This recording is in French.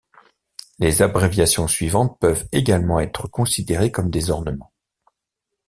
Les abréviations suivantes peuvent également être considérées comme des ornements.